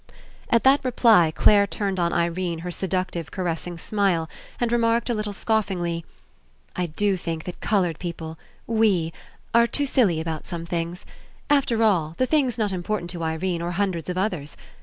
At that reply Clare turned on Irene her seductive caressing smile and remarked a little 6i PASSING scoffingly: "I do think that coloured people — we — are too silly about some things. After all, the thing's not Important to Irene or hundreds of others.